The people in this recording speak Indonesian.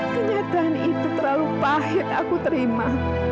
kenyataan itu terlalu pahit aku terima